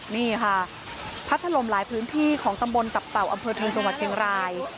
นี่ค่ะพัดถล่มหลายพื้นที่ของตำบลตับเต่าอำเภอเทิงจังหวัดเชียงราย